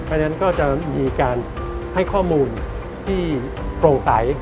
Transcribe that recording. เพราะฉะนั้นก็จะมีการให้ข้อมูลที่โปร่งใส